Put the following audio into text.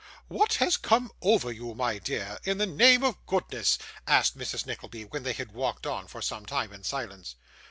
'What has come over you, my dear, in the name of goodness?' asked Mrs Nickleby, when they had walked on, for some time, in silence.